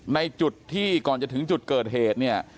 ในจุดที่ก่อนจะถึงจุดเกิดเหตุเนี่ย